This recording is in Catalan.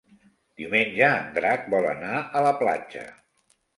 Diumenge en Drac vol anar a la platja.